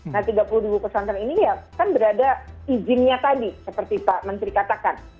nah tiga puluh ribu pesantren ini ya kan berada izinnya tadi seperti pak menteri katakan